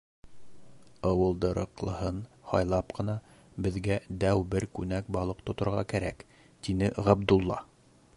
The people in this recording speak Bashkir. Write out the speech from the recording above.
- Ыуылдырыҡлыһын һайлап ҡына беҙгә дәү бер күнәк балыҡ тоторға кәрәк, - тине Ғабдулла.